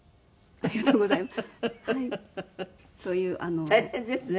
ありがとうございます。